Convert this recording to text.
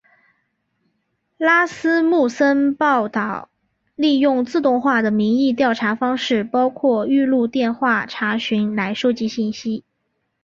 拉斯穆森报导利用自动化的民意调查方式包括预录电话查询来收集信息。